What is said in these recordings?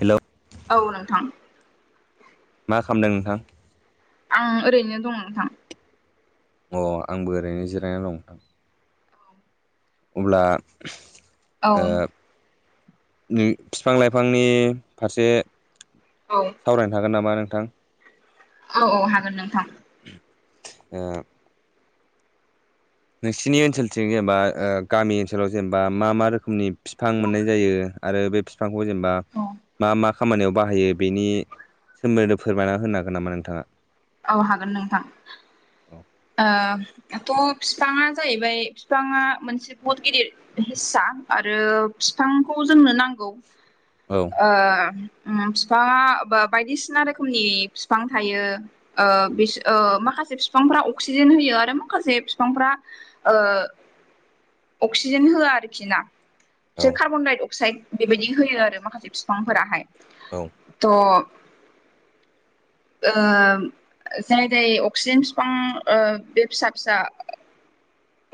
Hello औ नोंथां मा खामदों नोंथां। आं ओरैनो दं नोंथां। अ आंबो ओरैनो जिरायनानै दं नोंथां। अब्ला। औ। बि फिफां लाइफांनि फारसे औ सावरायनो हागोन नामा नोंथां। नोंथां। औ औ हागोन नोंथां। ओ। नोंसिनि ओनसोलथिं जेनेबा ओ गामि ओनसोलाव जेनेबा मा मा रोखोमनि फिफां मोननाय जायो। आरो बे फिफांखौ जेनेबा औ मा मा खामानियाव बाहायो बेनि सोमोन्दैनै फोरमायना होनो हागोन नामा नोंथाङा। औ हागोन नोंथां औ ओ। थह फिफाङा जाहैबाय फिफाङा मोनसे बहुद गिदिर हिस्सा आरो फिफाङाथ फिफांखौ जोंनो नांगौ ओ। उम फिफाङा बायदिसिना रोखोमनि फिफां थायो। ओ बिस ओ माखासे। माखासे फिफांफ्रा अक्सिजेन होयो आरो माखासे फिफांफ्रा अक्सिजेन होआ आरोखि ना। औ बिसोर कार्बनडाय अक्साइड बेबायदि होयो आरो माखासे फिफां फोराहाय औ त ओम। जेरै जाय अक्सिजेन फिफां बे फिसा फिसा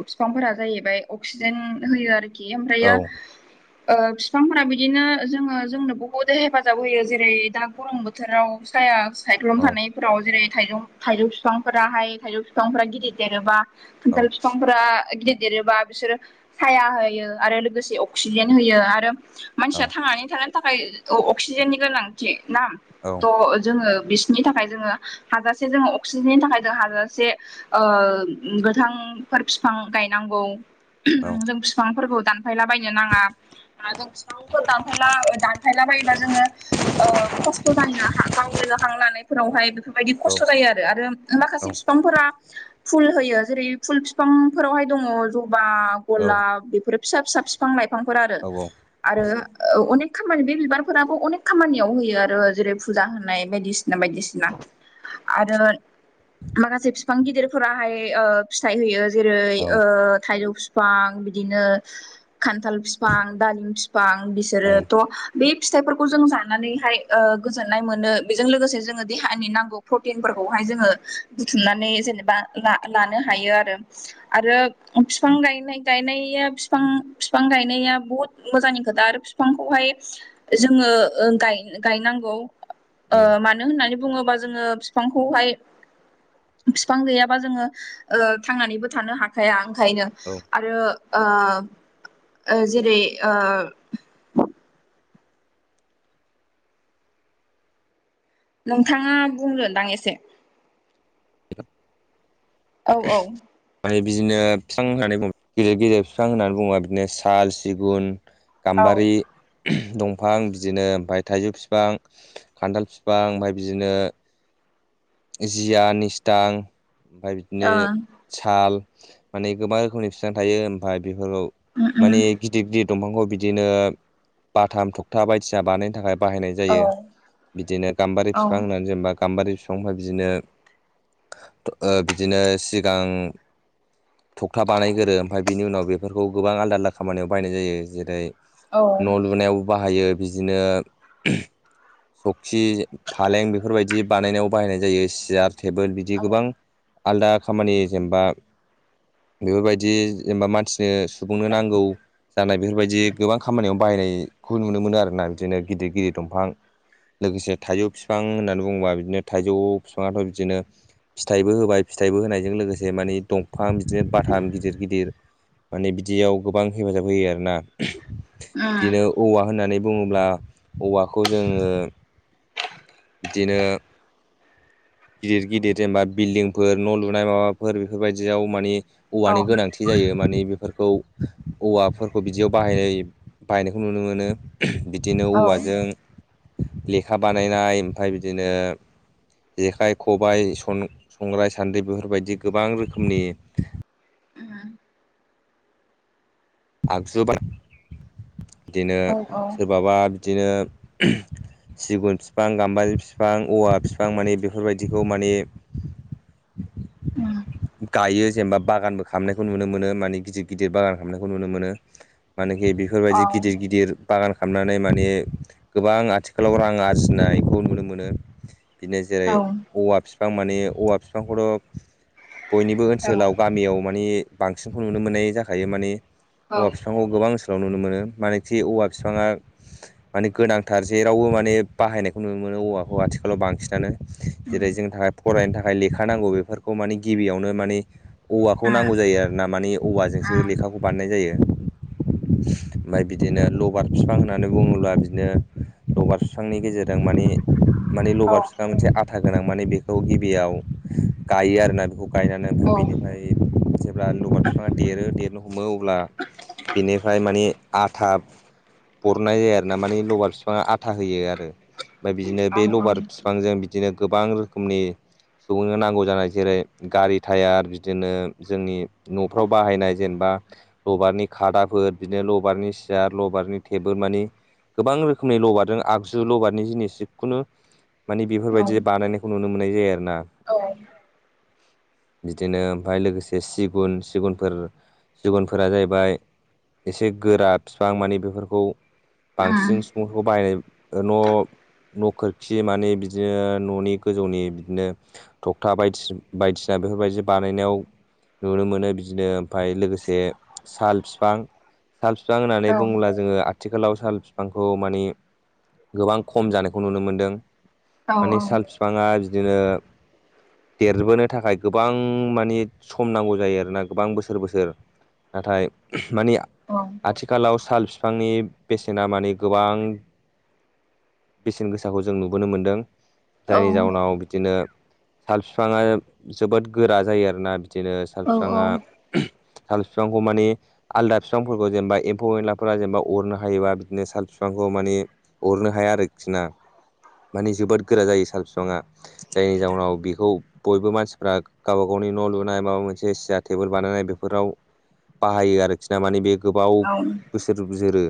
फिफांफोरा जाहैबाय अक्सिजेन होयो आरोखि औ ओमफ्रायो ओ फिफांफोरा बिदिनो जोङो जोंनो बहुद हेफाजाब होयो जेरै दा गरम बोथोराव साया सायख्लुम थानायफोराव जेरै थाइजौ थाइजौ फिफांफोराहाय थाइजौ फिफांफोरा गिदिर देरोबा औ खान्थाल फिफांफोरा गिदिर देरोबा बिसोरो साया होयो आरो लोगोसे अक्सिजेन होयो आरो। मानसिया थांनानै थानो थाखाय अक्सिजेननि गोनांथि ना औ त जोङो बिसिनि थाखाय जोङो हाजासे जोङो अक्सिजेननि थाखाय जों हाजासे ओ गोथां। थां फोर फिफां गायनांगौ जों फिफांफोरखौ। दानफायलाबायनो नाङा आरो फिफांफोर दानफायला दानफायला बायोबा जोङो ओ। खस्थ जायो हा गाव [unintelligible] हां लानायफोरावहाय बेफोरबायदि औ खस्थ जायो आरो माखासे फिफांफोरा। फुल होयो जेरै फुल फिफांफोरावहाय दङ जबा गलाब बेफोर। फिसा फिसा फिफां लाइफांफोर आरो आरो अनेक। न खामानि बे बिबारफोराबो अनेक खामानियाव होयो आरो जेरै फुजा होनाय बायदिसिना। बायदिसिना। आरो माखासे फिफां गिदिरफोराहाय ओ फिथाइ होयो। जेरै औ ओ थायजौ फिफां बिदिनो। खान्थाल फिफां दालिम फिफां औ बिसोरोथ बे। फिथाइफोरखौ जों जानानैहाय ओ गोजोननाय मोनो। बेजों लोगोसे जोंङो देहानि नांगौ प्रटिनफोरखौहाय जोंङो बुथुमनानै जेनेबा लानो। हायो आरो आरो बिफां गायनाया बिफां गायनाया बहुद मोजांनि खोथा आरो बिफांखौहाय जोंङो ओ गाय-गायनांगौ ओ मानो होननानै बुंङोबा जोङो बिफांखौहाय बिफां गैयाबा जोङो थांनानैबो थानो हाखाया ओंखायनो औ आरो ओ जेरै ओ नोंथांङा बुं गोनदां एसे औ औ औ बिदिनो बिफां होननानै बुंङो गिदिर गिदिर बिफां होननानै बुंङोबा बिदिनो साल, सिगुन औ गाम्बारि दंफां बिदिनो ओमफफ्राय थाइजौ बिफां खान्थाल फिफां ओमफ्राय बिदिनो जियानिस फिथां ओमफ्राय बिदिनो ओ साल माने गोबां रोखोमनि फिथां थायो ओमफ्राय बेफोरखौ उम माने उम गिदिर गिदिर दंफांखौ बिदिनो बाथाम थखथा बायदिसिना बानायनो थाखाय बाहायनाय औ जायो बिदिनो गाम्बारि औ बिफां होननानै जेनेबा गाम्बारि बिफांनिफ्रायाय बिदिनो बिदिनो सिगां थखथा बानायगोरो ओमफ्राय बिनि उनाव बेफोरखौ गोबां आलदा आलदा खामानियाव बायनाय जायो जेरै औ न' लुनायावबो बाहायो बिदिनो सखि फालें बेफोरबायदि बानायनायाव बाहायनाय जायो सियार, टेबोल दि उम गोबां आलदा खामानि जेनेबा बेफोरबायदि जेनेबा मानसिनो सुबुंनो नांगौ जानाय बेफोरबायदि गोबां खामानियाव बाहायनायखौ नुनो मोनो आरोना बिदिनो गिदिर गिदिर दंफां लोगोसे थाइजौ बिफां होननानै बुंङोबा बिदिनो थाइजौ बिफांङाथ' बिदिनो फिथाइबो होबाय फिथाइबो होनायजों लोगोसे माने दंफां बिदिनो बाथाम गिदिर गिदिर माने बिदियाव गोबां हेफाजाब होयो आरोना औ बिदिनो औवा होननानै बुंङोब्ला औवाखौ जोंङो बिदिनो गिदिर गिदिर जेनबा बिल्डिंफोर न' लुनाय माबाफोर बेफोरबायदियाव मानि औ उम औ औवानि गोनांथि जायो माने बेफोर खौ औवाफोरखौ बिदियाव बाहायनाय बाहायनायखौ नुनो मोनो। बिदिनो औ उम औवाजों लेखा बानायनाय ओमफफ्राय बिदिनो जेखाइ, खबाइ, संग्राय, सान्द्रि बेफोरबायदि गोबां रोखोमनि आगजु बाय बिदिनो औ औ सोरबाबा बिदिनो सिगुन बिफां गाम्बारि फिफां औवा बिफां माने बेफोरबायदिखौ माने औ गायो जेनेबा बागानबो खालामनायखौ नुनो मोनो माने गिदिर गिदिर बागान खालामनायखौ नुनो मोनो माने आरोखि बेफोरबायदि गिदिर गिदिर बागान खालामनानै माने गोबां आथिखालाव रां आरजिनायखौ नुनो मोनो। बिनो जेरै औवा बिफां माने औवा बिफांखौथ' बयनिबो ओनसोलाव गामियाव माने बांसिनखौ नुनो मोननाय जाखायो माने हौवा बिफांखौ गोबां नुनो मोनो मानोखि औवा बिफाङा माने गोनांथार जेरावबो माने बाहायनायखौ नुनो मोनो औवाखौ आथिखालाव बांसिनानो उम जेरै जोंनि थाखाय फरायनो थाखाय लेखा नांगौ बेफोरखौ माने गिबियावनो माने औवाखौ नांगौ उम जायो आरो ना माने उम औ औवाजोंसो लेखाखौ बानायनाय जायो। ओमफ्राय बिदिनो लबार बिफां होननानै बुंङोब्ला बिदिनो लगार सुस्रांनि गेजेरजों माने माने औ लबार बिफां आं मोनसे आथा गोनां माने बेखौ गिबियाव गायो आरोना बेखौ गायनानै ओमफ्राय औ उम बेनिफ्राय जों अब्ला लबार बिफांङा देरो देरनो हमो अब्ला बिनिफ्राय माने आथा बरननाय जायो आरो ना माने लबार बिफाङा आथा होयो आरो। ओमफ्राय बिदिनो औ बे औ लबार बिफांजों बिदिनो गोबां रोखोमनि सुबुंनो नांगौ जानाय जेरै- गारि टायार बिदिनो जोंनि न'फ्राव बाहायनाय जेनेबा लबारनि खादा फोर, बिदिनो लबारनि सियार, लबारनि टेबोल मानि गोबां रोखोमनि लबारदों आगजु लबारनि जिनिस जिखुनु मानि औ बेफोरबायदि बानायनायखौ नुनो मोननाय जायो आरो ना। औ [inaudible] बिदिनो ओमफ्राय लोगोसे सिगुन, सिगुनफोर सिगुनफोरा जाहैबाय एसे गोरा बिफां माने बेफोरखौ बांसिन सुबुंफोरखौ बाहायनाय ओ न नखोरखि मानि, बिदिनो ननि गोजौनि बिदिनो थखथा बायदिसि बायदिसिना बेफोरबायदि बानायनायाव नुनो मोनो बिदिनो ओमफ्राय लोगोसे साल बिफां, साल बिफां होननानै बुंङोब्ला जोंङो आथिखालाव साल बिफांखौ मानि गोबां खम जानायखौ नुनो मोनदों माने साल बिफांङा बिदिनो देर बोनो थाखाय गोबां मानि सम नांगौ जायो आरोना, गोबां बोसोर बोसोर नाथाय माने आथिखालाव साल बिफांनि बेसेना मानि गोबां बेसेन गोसाखौ जों नुबोनो मोनदों। जायनि जाउनाव बिदिनो साल बिफांङा जोबोद गोरा जायो आरोना। बिदिनो साल बिफांङा साल बिफांखौ माने आलदा बिफांफोरखौ जेनेबा एम्फौ एनलाफोरा जेनेबा अरनो हायोबा बिदिनो साल बि फांखौ मानि अरनो हाया आरोखि ना। माने जोबोद गोरा जायो साल बिफांङा जायनि जाउनाव बेखौ बयबो मानसिफ्रा गावबा गावनि न लुनाय माबा मोनसे सियार टेबोल बानायनाय बेफोराव बाहायो आरोखि ना माने बे गोबाव औ बोसोर जोरो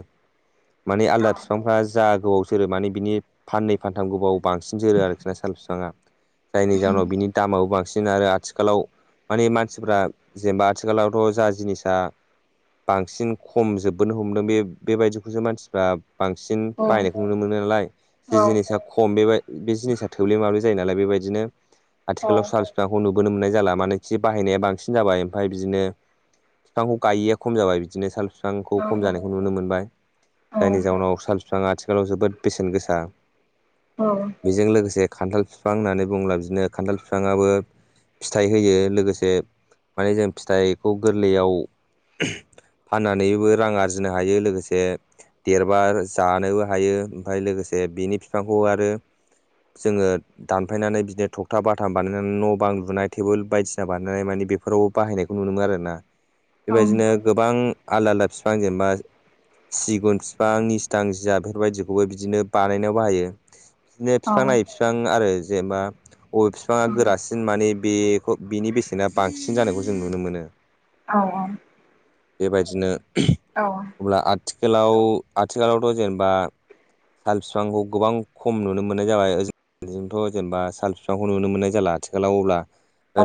माने आलदा औ बिफांफ्रा जा गोबाव जोरो माने बिनि फाननै फानथाम गोबाव बांसिन जोरो आरोखि ना साल बिफाङा। औ जायनि जाहोनाव बिनि दामाबो बांसिन आरो आथिखालाव माने मानसिफ्रा जेनेबा आथिखालावथ जा जिनिसा बांसिन खम जोबबोनो हमदों बे बेबायदिखौसो मानसिफ्रा बांसिन बायनायखौ नुनो मोनो नालाय जे जिनिसा खम बे बे जिनिसा थोब्ले माब्ले जायोनालाय, आथिखालाव बोनो मोननाय जाला मानोखि बाहायनाया बांसिन जाबाय ओमफ्राय बिदिनो बिफांखौ गायैया खम जाबाय बिदिनो साल बि फांखौ खम जानायखौ नुनो मोनबाय जायनि जााहनाव साल बिफां आथिखा- लाव जोबोद बेसेन गोसा। बेजों लोगोसे खान्थाल बिफां होननानै बुब्ला बिदिनो खान्थाल फिफां आबो फिथाइ होयो लोगोसे माने जों फिथाइखौ गोरलैयाव [inaudible] फाननानैबो रां आरजिनो हायो लोगोसे देरब जानोबो हायो। ओमफ्राय लोगोसे बिनि बिफांखौ आरो जोंङो दानफायनानै बिदिनो थकथा बा थाम बानायनानै न बां लुनाय, टेबोल बायदिसिना बानायनाय मानि बेफोराव बाहायनायखौ नुनो मोनो आरो ना। बेबायदिनो गोबां आलदा आलदा बिफां जेनेबा सिगुन बिफां निस्थां जिया बेफोरबायदिखौबो बिदिनो बानायनायाव बाहायो बिदिनो बिफां नायै बिफां आरो जेनेबा बबे फि फाङा गोरासिन माने बेखौ बिनि बेसेना बांसिन जानायखौ जों नुनो मोनो। औ औ बेबायदिनो औ अब्ला आथिखालाव आथिखालावथ जेनेबा साल बिफांखौ गोबां खम नुनो मोननाय जाबाय होजोंथ' जेनेबा साल बिफांखौ नुनो मोननाय जाला आथिखालाव अब्ला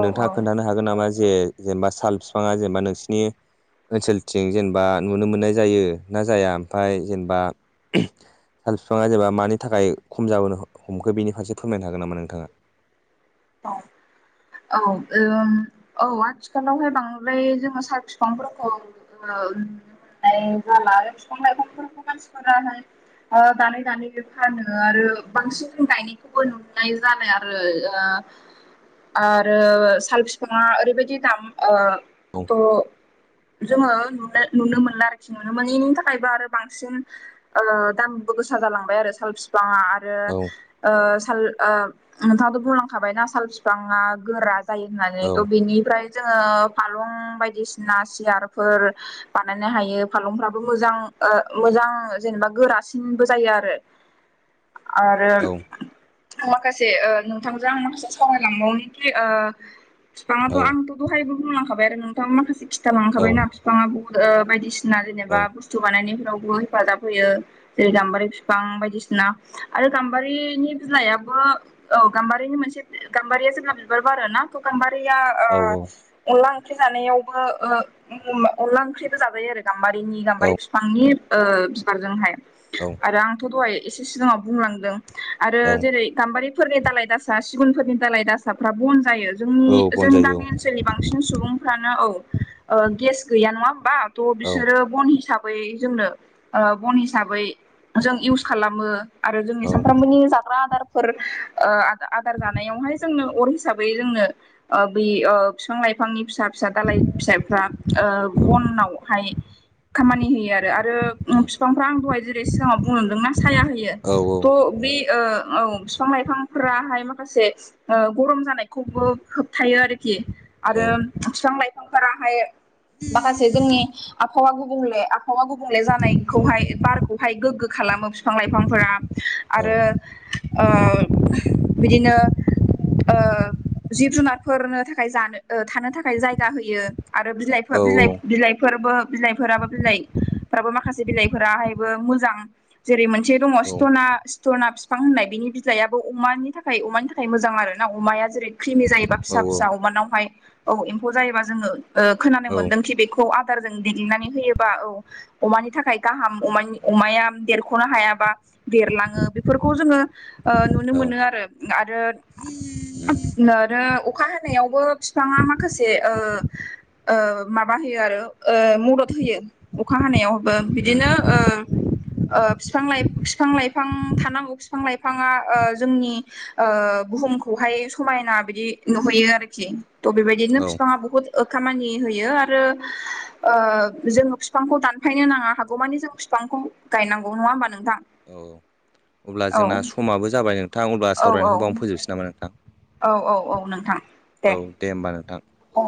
नोंथांङा खोन्थानो हागोन नामा जे जेनेबा साल बिफांङा जेनेबा नोंसिनि ओनसोलथिं जेनेबा नुनो मोननाय जायो ना जाया ओमफाय जेनबा साल बिफांङा जेनेबा मानि थाखाय खम जाबोनो हमखो बेनि फारसे फोरमायनो हागोन नामा नोंथाङा? औ औ औ आथिखालावहाय बांद्राय जोंङो साल बिफांफोरखौ ओ नुनाय जाला आरो बिफां - लाइफांफोरखौ मानसिफोराहाय [inaudible] दानै दानै फानो आरो बांसिन गायनायखौबो नुनाय जायो आरो आरो साल बिफांङा ओरैबायदि दाम ओ औ त जोंङो नुनो मोनला आरोखि नुनो मोनैनि थाखायबो आरो बांसिन दाम गोसा जालांबाय आरो साल बिफाङा औ ओ ओ नोंथां बुंलांखाबायना साल बिफांया गोरा जायो होनानै औ त बिनिफ्राय जोंङो फालं बायदिसिना सियारफोर बानायनो हायो फालंफोराबो मोजां ओ मोजां जेनेबा गोरासिनबो जायो आरो [inaudible] आरो औ माखासे नोंथां आं माखासे सावरायलांबावनिखि ओ फिफाङाथ' औ आंथ' दहायबो [unintelligible] बुंलांखाबायना आरो नोंथांङा माखासे औ खिथालांखाबाय ना बिफाङा बु बायदिसिना औ जेनेबा बुस्थु बानायनायफ्रावबो हेफाजाब होयो जेरै गाम्बारि बिफां बायदिसि सिना आरो गाम्बारिनि बिलाइाबो औ गाम्बा बारिनि मोनसे गाम्बारिया जेब्ला बिबार बारोना गाम्बारिया औ अनला ओंख्रि जानायावबो ओ अनला ओंख्रिबो जाजायो आरो गाम्बारि नि औ गाम्बारि बिफांनि ओ बिबारजोंहाय औ आरो आं दहायसे सिगांङाव बुंलांदों आरो औ जेरै गाम्बारिफोरनि दालाय दा सा सिगुनफोरनि दालाय दासाफ्रा बन जायो जोंनि औ जोंनि बनजायो गामि ओनसोलनि बांसिन सुबुंफ्रानो औ ओ गेस गैया नंङा होनबाथ' औ बिसोरो बन हिसा बै जोंनो ओ बन हिसाबै जों इउस खालामो। आरो जोंनि औ सानफ्रामबोनि जाग्रा आदारफोर ओ आदार जानायावहाय जोंनो अर हिसाबै जोंनो बै ओ बिफां लाइफांनि फिसा फिसा दालाय फिसाइफ्रा ओ बनावहाय खामानि होयो आरो आरो बिफांफ्रा आं दहाय जेरै सिगांङाव बुंलांदोंना साया होयो औ त औ बे औ बिफां - लाइफां फ्रा हाय माखासे ओ गरम जानायखौबो होबथायो आरोखि औ आरो बिफां लाइफांफोराहाय माखासे जोंनि आबहावा गुबुंले आबहावा गुबुंले जानायखौहाय बारखौहाय गोग्गो खा मो बिफां - लाइफांफोरा आरो ओ बिदिनो ओ जिब - जुनारफोरनो थाखाय जानो थानो थाखाय जायगा होयो । आरो औ बिलाइफोर बिलाइ बिलाइ फोरबो बिलाइफोराबो बिलाइफोराबो माखासे बिलाइफोराहायबो मोजां जेरै मोनसे दंङ। स्टिनना स्टिना बिफां होननाय बिनि बिलाइया अमानि थाखाय अमानि थाखाय मोजां आरो ना अमाया जेरै क्रिमि जायोबा औ फिसा फिसा अमानावहाय औ एम्फौ जायो जोंङो औ उम औ खोनामोन बे आदारजों देग्लिनानै होयोबा औ अमानि थाखाय गाहाम अमा देरख'नो हायाबा देरलांङो बेफोरखौ जोंङो ओ नुनो मोनो आरो अखा हानायायावबो बिफाङा माखासे ओ ओ मा बांहोयो आरो मदद होयो अखा हानायावबो बिदिनो ओ ओ फिफां लाइफां थानांगौ फाङा ओ जोंनि ओ बुहुमखौहाय समायना बिदि नुहैयो आरोखि। त' बेबायदिनो औ फिफांआ बहुत ओ खामानि होयो आरो ओ जोङो फिफांखौ दानफायनो नाङा हागौमानि जों फि फांखौ गायनांगौ नङा ओमबा नोंथां? औ अब्ला औ जोंना समाबो जाबाय नोंथां अब्ला औ औ सावरायनायखौ बावनो फोजोबसै नामा नोंथां? औ औ औ नोंथां औ दे ओमबा नोंथां। औ